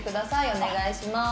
お願いします」